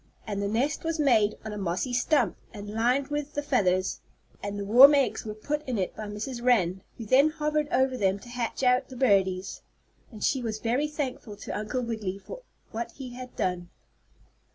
And the nest was made on a mossy stump, and lined with the feathers, and the warm eggs were put in it by Mrs. Wren, who then hovered over them to hatch out the birdies. And she was very thankful to Uncle Wiggily for what he had done.